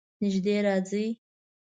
نژدې راځئ